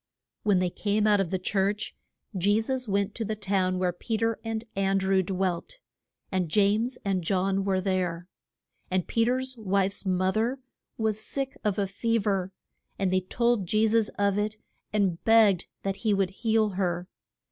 When they came out of the church Je sus went to the house where Pe ter and An drew dwelt. And James and John were there. And Pe ter's wife's mo ther was sick of a fe ver, and they told Je sus of it and begged that he would heal her.